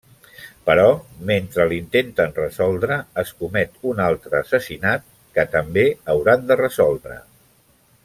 Però mentre l'intenten resoldre es comet un altre assassinat, que també hauran de resoldre.